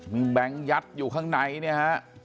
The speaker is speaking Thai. มีแบงค์ยัดอยู่ข้างในเนี่ยฮะ